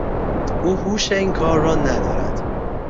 او هوش این کار را ندارد.